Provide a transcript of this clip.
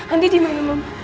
andi dimana mam